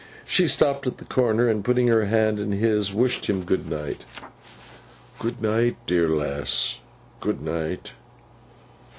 She stopped at the corner, and putting her hand in his, wished him good night. 'Good night, dear lass; good night!